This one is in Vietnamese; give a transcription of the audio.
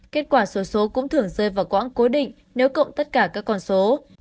kết quả số số cũng thường rơi vào quãng cố định nếu cộng tất cả các con số